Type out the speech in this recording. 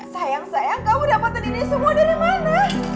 sayang sayang kamu dapatkan ini semua dari mana